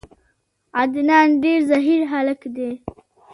عدنان ډیر ذهین هلک ده.